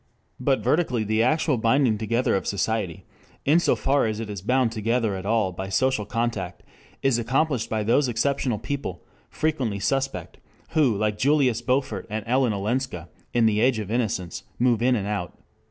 But vertically the actual binding together of society, in so far as it is bound together at all by social contact, is accomplished by those exceptional people, frequently suspect, who like Julius Beaufort and Ellen Olenska in "The Age of Innocence" move in and out.